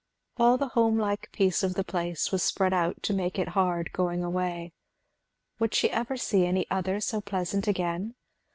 All the home like peace of the place was spread out to make it hard going away. Would she ever see any other so pleasant again?